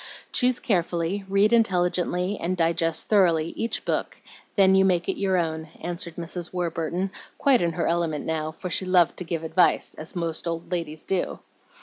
Choose carefully, read intelligently, and digest thoroughly each book, and then you make it your own," answered Mrs. Warburton, quite in her element now, for she loved to give advice, as most old ladies do.